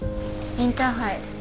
インターハイ